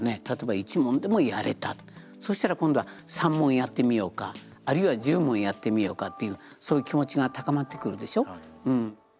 例えば１問でもやれたそしたら今度は３問やってみようかあるいは１０問やってみようかっていうそういう気持ちが高まってくるでしょ。